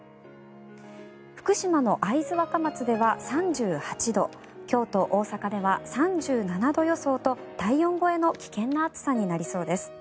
福島の会津若松では３８度京都、大阪では３７度予想と体温超えの危険な暑さになりそうです。